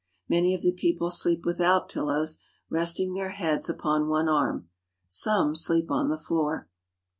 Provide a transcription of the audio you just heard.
Many of the people sleep without pillows, resting their heads upon one arm. Some sleep on the floor.